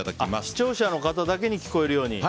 視聴者の方だけに聞こえるように。